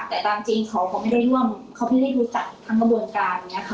แต่ตามจริงเขาไม่ได้ร่วมเขาไม่ได้รู้จักทั้งกระบวนการอย่างนี้ค่ะ